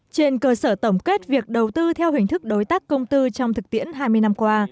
trên cơ sở tổng kết việc đầu tư theo hình thức đối tác công tư trong thực tiễn hai mươi năm qua